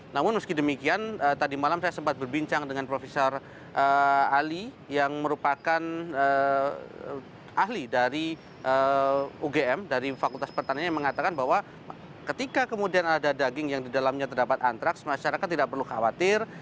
namun meski demikian tadi malam saya sempat berbincang dengan prof ali yang merupakan ahli dari ugm dari fakultas pertanian yang mengatakan bahwa ketika kemudian ada daging yang di dalamnya terdapat antraks masyarakat tidak perlu khawatir